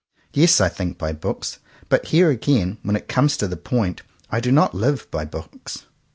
Yes, I think by books. But, here again, when it comes to the point, I do not live by books.